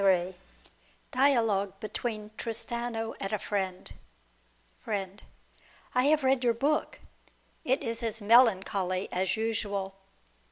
206 ) DIALOGUE BETWEEN TRISTANO AND A FRIEND, Friend. I have read your book. It is as melancholy as usual.